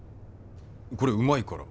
これうまいから。